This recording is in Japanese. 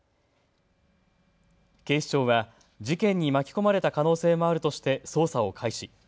警視庁は事件に巻き込まれた可能性もあるとして捜査を開始。